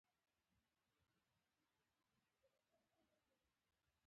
وزې د ناروغۍ نښې ژر څرګندوي